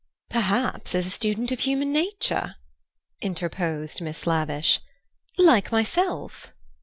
"Perhaps as a student of human nature," interposed Miss Lavish, "like myself?"